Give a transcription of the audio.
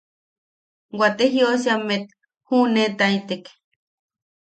Waate jiosiammet juʼunetaitek.